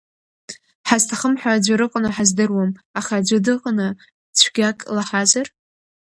Ҳазҭахым ҳәа аӡәыр ыҟаны ҳаздыруам, аха аӡәы дыҟаны, цәгьак лаҳазар?